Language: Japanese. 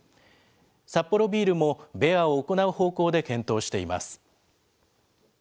サッポロビールも、ベアを行う方向で検討しています。